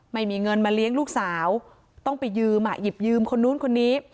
ไม่มีเงินมาเลี้ยงลูกสาวต้องไปยืมอ่ะหยิบยืมคนนู้นคนนี้